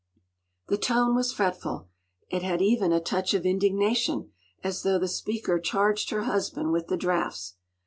” The tone was fretful. It had even a touch of indignation as though the speaker charged her husband with the draughts.